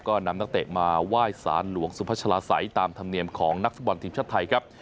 ก็นำนักเตะมาไหว้สารหลวงสุพัชลาศัยตามธรรมเนียมของนักฟุตบอลทีมชาติไทยครับ